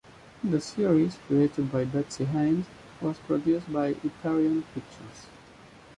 The series, created by Betsy Haynes, was produced by Hyperion Pictures.